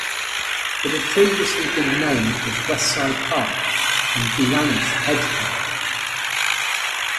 It had previously been known as West Side Park and Duwamish Head Park.